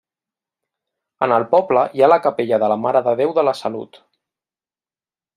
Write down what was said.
En el poble hi ha la capella de la Mare de Déu de la Salut.